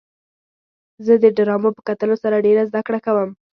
زه د ډرامو په کتلو سره ډېره زدهکړه کوم.